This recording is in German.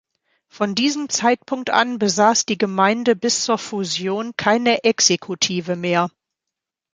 Von diesem Zeitpunkt an besass die Gemeinde bis zur Fusion keine Exekutive mehr.